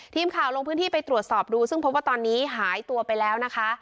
ทีมข่าวลงพื้นที่ไปตรวจสอบดูซึ่งพบว่าตอนนี้หายตัวไปแล้วนะคะ